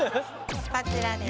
こちらです